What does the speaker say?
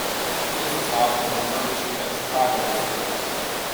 This is often referred to as tribalism.